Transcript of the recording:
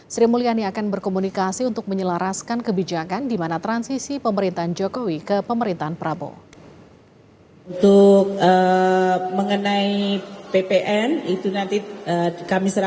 sri mulyani akan berkomunikasi untuk menyelaraskan kebijakan di mana transisi pemerintahan jokowi ke pemerintahan prabowo